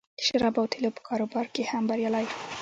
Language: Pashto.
د شرابو او تیلو په کاروبار کې هم بریالی و